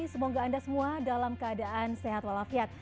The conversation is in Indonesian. semoga anda semua dalam keadaan sehat walafiat